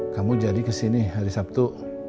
kamu jadi kesini hari sabtu